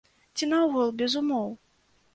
Ці наогул без умоў?